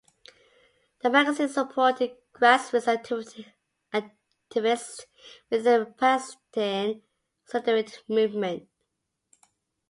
The magazine supported grassroots activists with the Palestine Solidarity Movement.